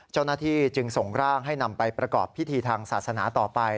เจ้าหน้าที่จึงส่งร่างให้นำไปประกอบพิธีทางศาสนาต่อไป